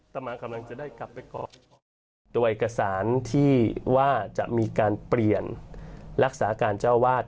ตัวเอกสารที่ว่าจะมีการเปลี่ยนรักษาการจ้าวาด